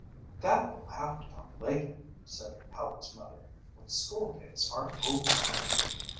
"That will have to come later," said Helen's mother, "when school days are over."